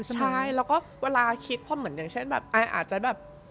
ใช่แล้วก็แผ่นเหมือนกับ